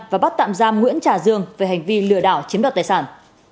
và bắt tạm giam nguyễn trà dương về hành vi lừa đảo chiếm đoạt tài sản